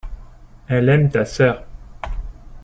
Elle aime ta sœur.